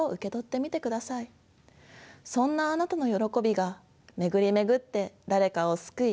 そんなあなたのよろこびが巡り巡って誰かを救い